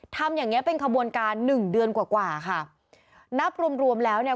ทำอย่างเงี้เป็นขบวนการหนึ่งเดือนกว่ากว่าค่ะนับรวมรวมแล้วเนี่ย